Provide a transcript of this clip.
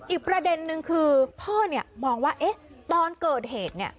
อีกประเด็นหนึ่งคือพ่อมองว่าตอนเกิดเหตุ